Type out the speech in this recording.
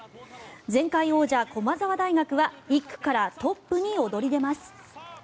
前回王者・駒澤大学は１区からトップに躍り出ます。